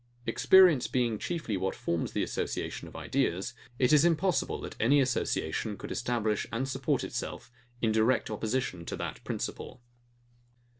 Experience being chiefly what forms the associations of ideas, it is impossible that any association could establish and support itself, in direct opposition to that principle.